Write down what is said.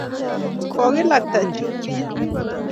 kokilakta chuguye